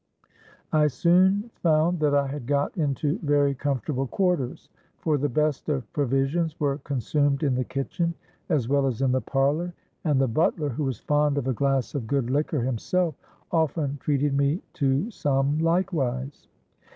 I soon found that I had got into very comfortable quarters; for the best of provisions were consumed in the kitchen as well as in the parlour, and the butler, who was fond of a glass of good liquor himself, often treated me to some likewise.